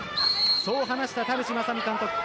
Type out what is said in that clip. そう話した田渕正美監督。